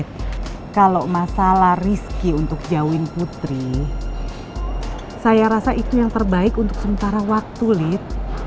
tapi kalau masalah rizky untuk join putri saya rasa itu yang terbaik untuk sementara waktu lit